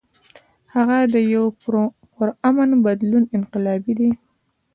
هغه د يو پُرامن بدلون انقلابي دے ۔